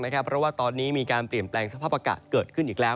เพราะว่าตอนนี้มีการเปลี่ยนแปลงสภาพอากาศเกิดขึ้นอีกแล้ว